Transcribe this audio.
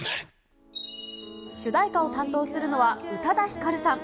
主題歌を担当するのは、宇多田ヒカルさん。